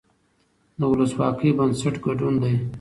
د ولسواکۍ بنسټ ګډون دی